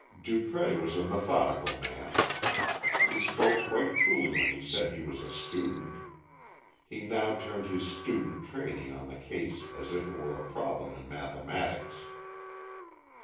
Dupré was a methodical man. He spoke quite truly when he said he was a student. He now turned his student training on the case as if it were a problem in mathematics.